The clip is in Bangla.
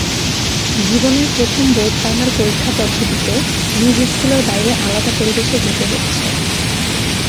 জীবনের প্রথম বোর্ড ফাইনাল পরীক্ষাপদ্ধতিতে নিজ স্কুলের বাইরে আলাদা পরিবেশে যেতে হচ্ছে।